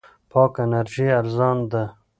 پاکه انرژي ارزان ده.